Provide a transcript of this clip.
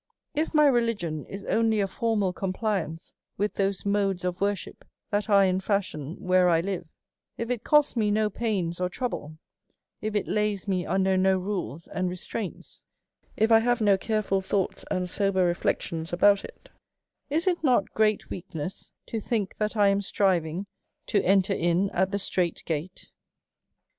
If my religion is only a formal compliance with those modes of worship that are in fashion where I live ; if it costs tne no pains or trouble, if it lays me under no rules and restraints, if I have no careful thoughts and sober reflections about it, is it not great weakness to think that I am striving to enter in at the strait gate